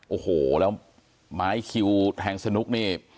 โอ้โหแล้วไม้คิวแทงสนุกนี่